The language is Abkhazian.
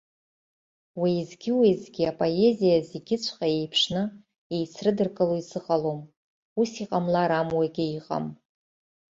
Уеизгьы-уеизгьы апоезиа зегьыҵәҟьа еиԥшны еицрыдыркыло изыҟалом, ус иҟамлар амуагьы иҟам.